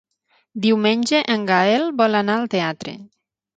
Diumenge en Gaël vol anar al teatre.